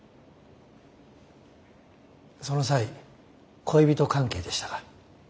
その際恋人関係でしたか？